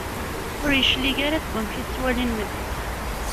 Ur yeclig ara deg wamek i tettwalin medden.